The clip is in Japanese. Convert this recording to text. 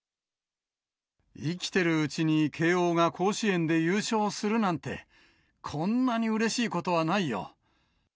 生きているうちに慶応が甲子園で優勝するなんて、こんなにうれしいことはないよ。